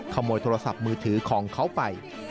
ขโมยโทรศัพท์มือถือของเขาไป